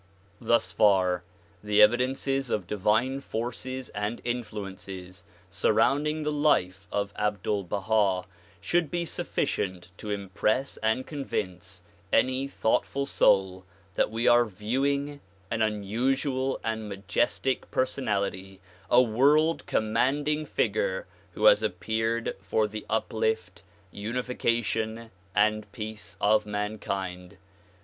Thus far the evidences of divine forces and influences sur rounding the life of Abdul Baha should be sufficient to impress and convince any thoughtful soul that we are viewing an unusual and majestic personality, a world commanding figure who has appeared for the uplift, unification and peace of mankind.